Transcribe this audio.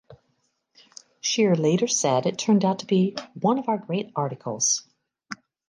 Scheer later said it turned out to be "one of our great articles".